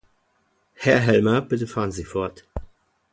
Herr Helmer, bitte fahren Sie fort.